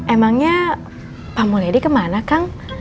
emangnya pak mulyadi kemana kang